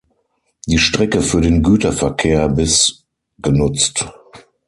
Die Strecke für den Güterverkehr bis genutzt.